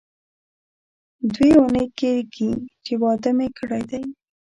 دوې اونۍ کېږي چې واده مې کړی دی.